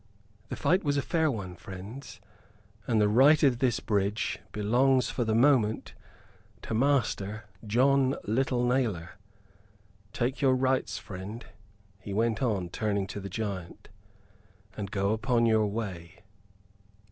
"The fight was a fair one, friends, and the right of this bridge belongs for the moment to Master John Little Nailor. Take your rights, friend," he went on, turning to the giant, "and go upon your way."